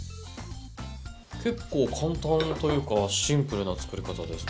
結構簡単というかシンプルな作り方ですね。